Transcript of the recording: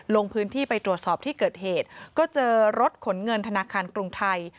ลงพื้นที่ไปตรวจสอบที่เกิดเหตุก็เจอรถขนเงินธนาคารกรุงไทย